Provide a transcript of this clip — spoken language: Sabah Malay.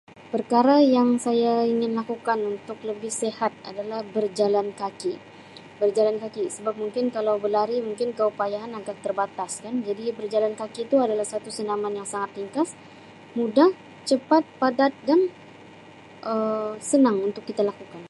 Perkara yang saya ingin lakukan untuk lebih sihat adalah berjalan kaki, berjalan kaki sabab mungkin kalau berlari mungkin keupayaan agak terbatas kan, jadi dia berjalan kaki tu adalah satu senaman yang sangat ringkas, mudah, cepat, padat dan Um senang untuk kita lakukan.